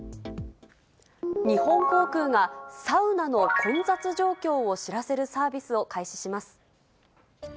日本航空がサウナの混雑状況を知らせるサービスを開始します。